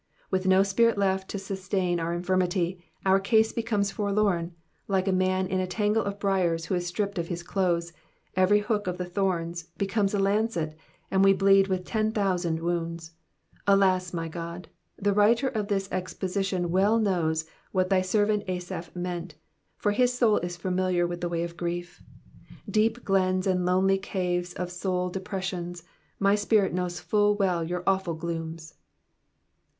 With no spirit left in us to sustain our infirmity, our case becomes forlorn ; like a man in a tangle of briars who is stripped of his clothes, every hook of the thorns becoms a lancet, and we bleed with ten thousand wounds. Alas, my God, the writer of this exposition well knows what thy servant Asaph meant, for his soul is familiar with the way of grief. Deep glens and lonely caves of soul depressions, my spirit knows full well your awful glooms!